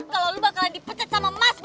kalau lo bakalan dipecat sama emas